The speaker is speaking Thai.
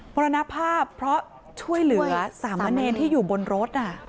มรณภาพเพราะช่วยเหลือสามเณรที่อยู่บนรถ